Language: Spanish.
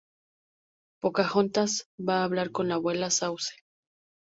Pocahontas va a hablar con la Abuela Sauce.